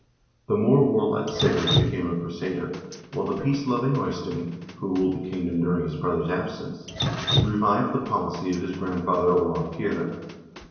The more warlike Sigurd became a crusader, while the peace loving Eystein, who ruled the kingdom during his brother's absence, revived the policy of his grandfather Olav Kyrre.